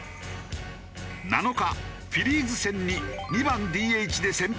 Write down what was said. ７日フィリーズ戦に２番ＤＨで先発出場。